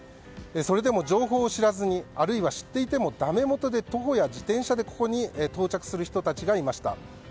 それでも情報を知らずにあるいは知っていてもダメもとで、徒歩や自転車でここに到着する人たちがいました。